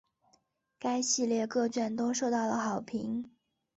该系列各卷都受到了好评。